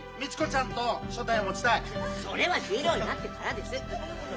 それは十両になってからです。